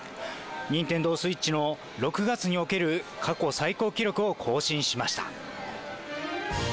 ニンテンドーＳｗｉｔｃｈの６月における過去最高記録を更新しました。